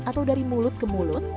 atau dari mulut ke mulut